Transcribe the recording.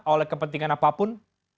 oleh kepentingan apapun